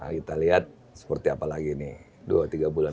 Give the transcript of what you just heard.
kita lihat seperti apa lagi ini dua tiga bulan